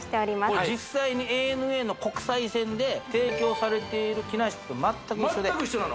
これ実際にＡＮＡの国際線で提供されている機内食と全く一緒で全く一緒なの？